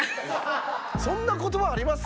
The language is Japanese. そんな言葉あります？